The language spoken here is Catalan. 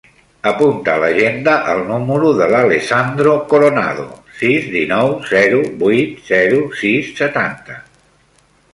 Apunta a l'agenda el número de l'Alessandro Coronado: sis, dinou, zero, vuit, zero, sis, setanta.